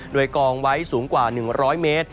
โดยกองไว้สูงกว่า๑๐๐เมตร